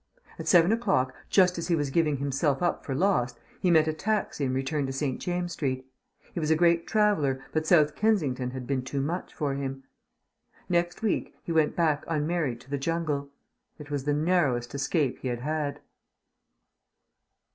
At seven o'clock, just as he was giving himself up for lost, he met a taxi and returned to St. James's Street. He was a great traveller, but South Kensington had been too much for him. Next week he went back unmarried to the jungle. It was the narrowest escape he had had.